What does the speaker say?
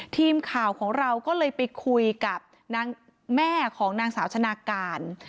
ทีมข่าวของเราก็เลยไปคุยกับนางแม่ของนางสาวชนะการ